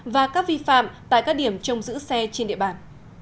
và các vi phạm tại các điểm trông giữ xe trên địa bàn